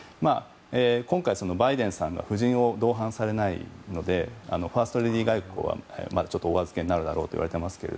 今回、バイデンさんが夫人を同伴されないのでファーストレディー外交はまだちょっとお預けになるといわれますが。